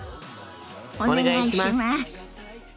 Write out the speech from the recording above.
お願いします！